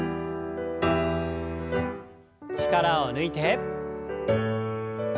力を抜いて。